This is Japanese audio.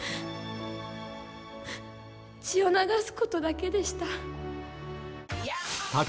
血を流すことだけでした。